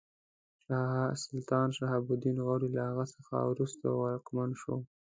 سلطان شهاب الدین غوري له هغه څخه وروسته واکمن شو.